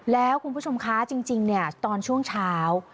แล้วคุณผู้ชมคะจริงเนี่ยตอนช่วงเช้า